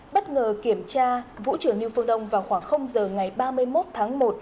bất ngờ kiểm tra vũ trưởng niu phương đông vào khoảng giờ ngày ba mươi một tháng một